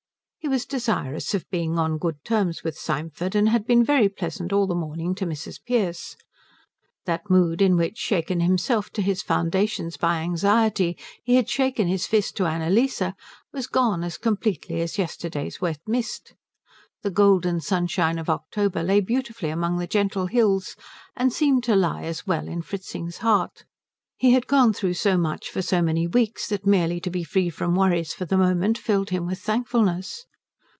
He was desirous of being on good terms with Symford, and had been very pleasant all the morning to Mrs. Pearce. That mood in which, shaken himself to his foundations by anxiety, he had shaken his fist to Annalise, was gone as completely as yesterday's wet mist. The golden sunshine of October lay beautifully among the gentle hills and seemed to lie as well in Fritzing's heart. He had gone through so much for so many weeks that merely to be free from worries for the moment filled him with thankfulness.